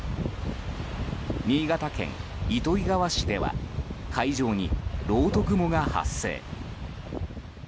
新潟県糸魚川市では海上に、ろうと雲が発生。